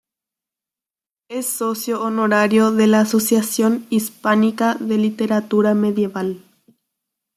Es socio honorario de la Asociación Hispánica de Literatura Medieval.